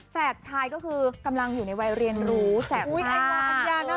แฟดชายก็คือกำลังอยู่ในวัยเรียนรู้แสดงมาก